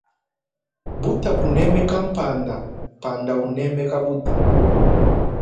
Buta bunemeka panda panda unemeka buta.